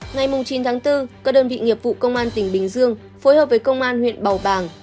ngày chín tháng bốn các đơn vị nghiệp vụ công an tỉnh bình dương phối hợp với công an huyện bào bàng